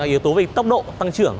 yếu tố về tốc độ tăng trưởng